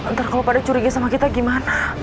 ntar kalau pada curiga sama kita gimana